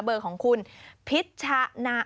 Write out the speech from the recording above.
เบอร์ของคุณพิชนะ